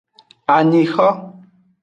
Anyixo.